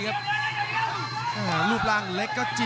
รับทราบบรรดาศักดิ์